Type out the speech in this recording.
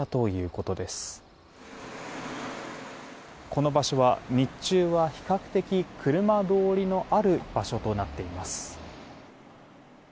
この場所は、日中は比較的車通りのある場所となっています。